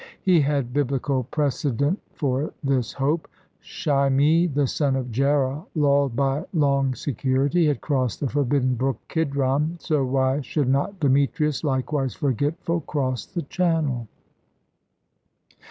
He had biblical precedent for this hope. Shimei, the son of Gera, lulled by long security, had crossed the forbidden brook Kidron, so why should not Demetrius, likewise forgetful, cross the Channel?